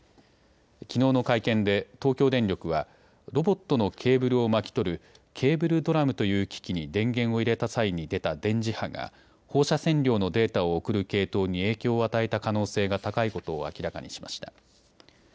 きのうの会見で東京電力はロボットのケーブルを巻き取るケーブルドラムという機器に電源を入れた際に出た電磁波が放射線量のデータを送る系統に影響を与えた可能性が高いことを明らかにしました。